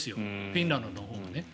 フィンランドのほうがね。